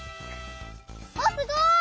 あっすごい！